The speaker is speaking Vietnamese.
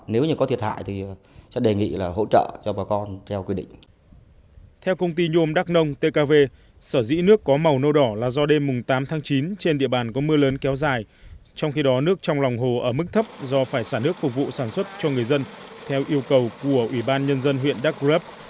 nước trong hồ nâu đỏ là do đêm tám tháng chín trên địa bàn có mưa lớn kéo dài trong khi đó nước trong lòng hồ ở mức thấp do phải xả nước phục vụ sản xuất cho người dân theo yêu cầu của ủy ban nhân dân huyện đắc rấp